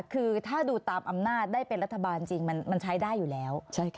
คือถ้าดูตามอำนาจได้เป็นรัฐบาลจริงมันใช้ได้อยู่แล้ว